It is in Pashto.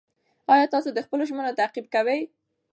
ایا تاسو د خپلو ژمنو تعقیب کوئ؟